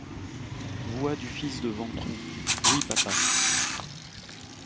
Voix du fils de Ventroux .— Oui, papa.